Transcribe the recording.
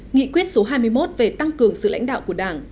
nghị quyết số hai mươi một về tăng cường sự lãnh đạo của đảng